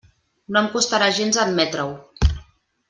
No em costarà gens admetre-ho.